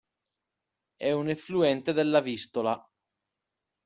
È un effluente della Vistola.